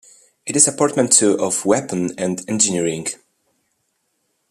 It is a portmanteau of "weapon" and "engineering".